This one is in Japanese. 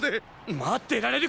待ってられるか！